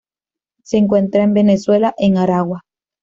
Se encuentra en Venezuela en Aragua.